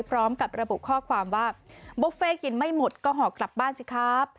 พร้อมกับระบุข้อความว่าบุฟเฟ่กินไม่หมดก็หอกกลับบ้านสิครับ